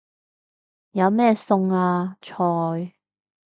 有咩餸啊？菜